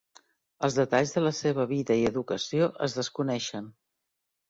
Els detalls de la seva vida i educació es desconeixen.